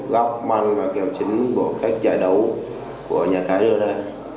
góc man và kèo chính của các giải đấu của nhà cái đưa ra